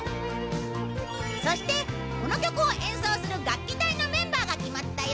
そしてこの曲を演奏する楽器隊のメンバーが決まったよ！